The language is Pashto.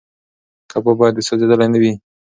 کباب باید سوځېدلی نه وي.